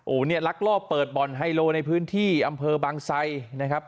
โอ้โหเนี่ยลักลอบเปิดบ่อนไฮโลในพื้นที่อำเภอบางไซนะครับ